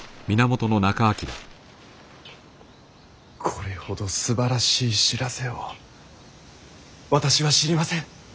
これほどすばらしい知らせを私は知りません。